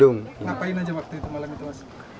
ngapain aja waktu itu malam itu pak